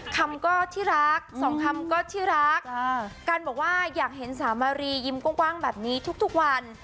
คำก็ที่รักสองคำก็ที่รักกันบอกว่าอยากเห็นสามมารียิ้มกว้างแบบนี้ทุกวัน